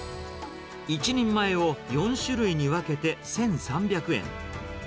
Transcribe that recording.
１人前を４種類に分けて１３００円。